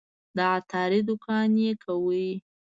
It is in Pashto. د عطاري دوکان یې کاوه.